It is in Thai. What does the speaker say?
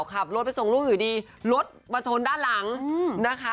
ขับรถไปส่งลูกอยู่ดีรถมาชนด้านหลังนะคะ